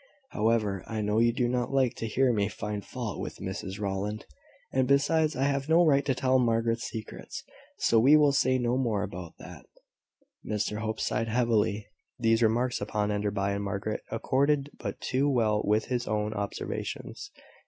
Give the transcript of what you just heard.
However, I know you do not like to hear me find fault with Mrs Rowland; and, besides, I have no right to tell Margaret's secrets; so we will say no more about that." Mr Hope sighed heavily. These remarks upon Enderby and Margaret accorded but too well with his own observations.